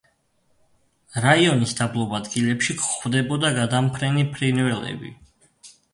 რაიონის დაბლობ ადგილებში გვხვდებოდა გადამფრენი ფრინველები.